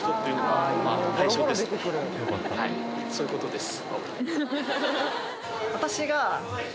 はいそういうことです